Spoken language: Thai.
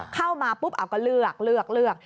เข้ามาปุ๊บอ้าวก็เลือก